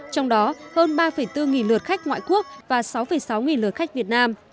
trong đó hơn ba bốn nghìn lượt khách ngoại quốc và sáu sáu nghìn lượt khách việt nam